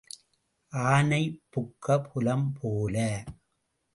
ஆனை புக்க புலம் போல.